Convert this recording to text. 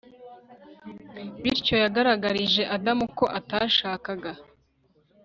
bityo yagaragarije adamu ko atashakaga